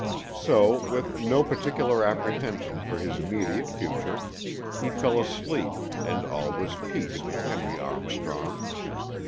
So, with no particular apprehension for his immediate future, he fell asleep and all was peace with Henry Armstrong.